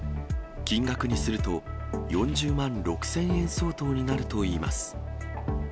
金額にすると４０万６０００円相当になるといいます。